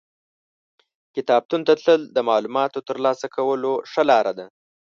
کتابتون ته تلل د معلوماتو ترلاسه کولو ښه لار ده.